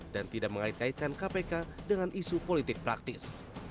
dan tidak mengait kaitkan kpk dengan isu politik praktis